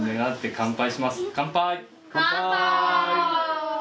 乾杯！